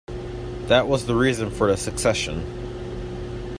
That was the reason for the Secession.